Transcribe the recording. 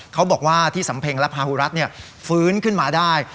เขาบอกว่าที่สำเพ็งและพาหุรัฐฟื้นขึ้นมาได้